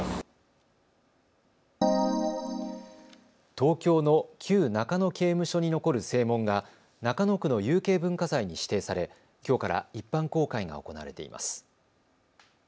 東京の旧中野刑務所に残る正門が中野区の有形文化財に指定されきょうから一般公開が行われています。